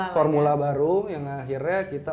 formula baru yang akhirnya kita